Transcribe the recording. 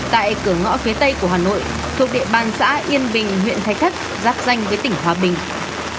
tại cửa ngõ phía tây của hà nội thuộc địa bàn xã yên bình huyện thạch thất giáp danh với tỉnh hòa bình